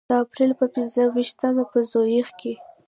د اپریل په پنځه ویشتمه په زوریخ کې.